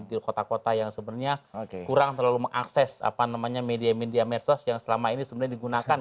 di kota kota yang sebenarnya kurang terlalu mengakses media media mersos yang selama ini sebenarnya digunakan